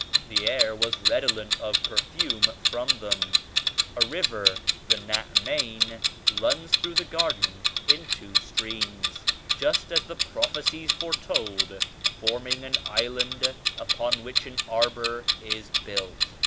The air was redo lent of perfume from them. A river, the Nahr Namen runs through the garden in two streams just as the prophecies foretold, forming an island upon which an arbor is built.